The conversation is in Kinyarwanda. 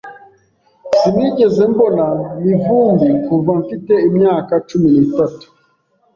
Sinigeze mbona Mivumbi kuva mfite imyaka cumi n'itatu.